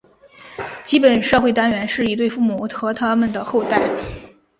基本社会单元是一对父母和它们的后代。